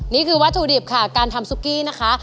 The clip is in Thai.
นี่คือวัตถุดิบค่ะการทำซุกี้นะคะ